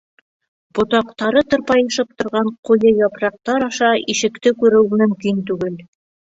Ботаҡтары тырпайышып торған ҡуйы япраҡтар аша ишекте күреү мөмкин түгел.